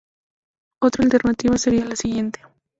Otra alternativa sería la siguiente.